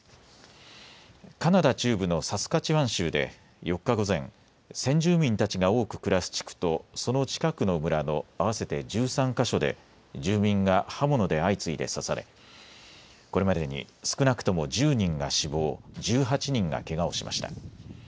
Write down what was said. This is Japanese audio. カナダ中部のサスカチワン州で４日午前、先住民たちが多く暮らす地区とその近くの村の合わせて１３か所で住民が刃物で相次いで刺され、これまでに少なくとも１０人が死亡、１８人がけがをしました。